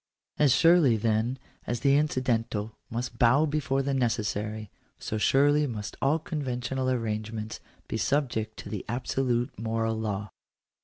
As surely then as the incidental must bow before the necessary, so surely must all conventional arrangements be subject to the absolute moral law.